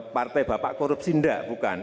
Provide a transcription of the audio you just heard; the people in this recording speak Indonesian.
partai bapak korupsi enggak bukan